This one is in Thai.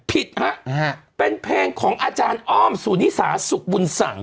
ผิดฮะเป็นเพลงของอาจารย์อ้อมศุลิษะศุกร์บุญสั่ง